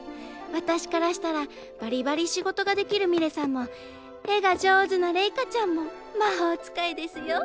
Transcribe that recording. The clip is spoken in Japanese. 私からしたらバリバリ仕事ができるミレさんも絵が上手なレイカちゃんも魔法使いですよ。